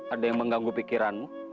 ada yang mengganggu pikiranmu